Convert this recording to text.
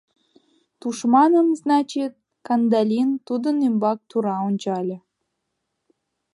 — Тушманын, значит, — Кандалин тудын ӱмбак тура ончале.